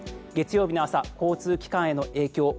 月曜日の朝、交通機関への影響